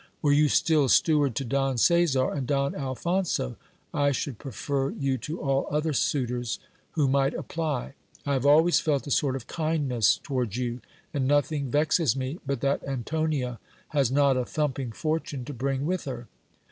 Were you still steward to Don Caesar and Don Alphonso, I should prefer you to all other suitors who might apply : I have always felt a sort of kindness towards you : and nothing vexes me, but that Antonia has not a thumping fortune to bring with her.